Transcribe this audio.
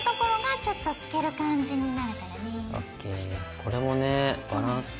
これもねバランス考えて。